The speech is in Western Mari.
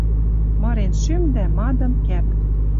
Мырен шӱм дӓ мадын кӓп.